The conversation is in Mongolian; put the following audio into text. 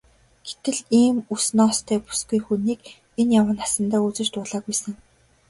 Гэтэл ийм үс ноостой бүсгүй хүнийг энэ яваа насандаа үзэж дуулаагүй сэн.